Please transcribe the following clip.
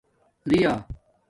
دِیہ